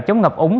chống ngập ống